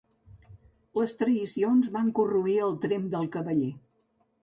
Les traïcions van corroir el tremp del cavaller.